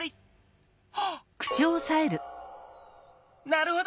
なるほど！